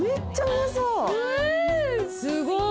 すごい！